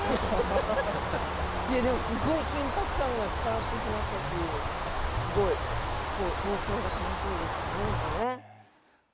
すごい緊迫感が伝わってきましたし放送が楽しみですよね。